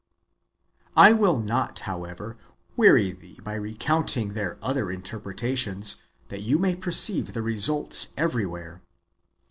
I will not, however, weary thee by recounting their other interpretations, that you may perceive the results every where.